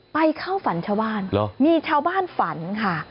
ไปเข้าฝันชาวบ้านเหรอมีชาวบ้านฝันค่ะ